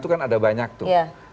terhadap lembaga kepresidenan itu